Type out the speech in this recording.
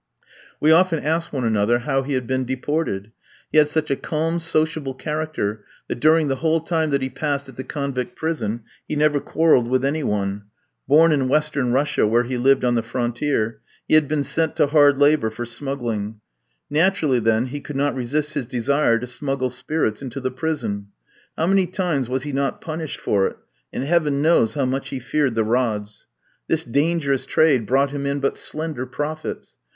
We often asked one another how he had been deported. He had such a calm, sociable character, that during the whole time that he passed at the convict prison, he never quarrelled with any one. Born in Western Russia, where he lived on the frontier, he had been sent to hard labour for smuggling. Naturally, then, he could not resist his desire to smuggle spirits into the prison. How many times was he not punished for it, and heaven knows how much he feared the rods. This dangerous trade brought him in but slender profits.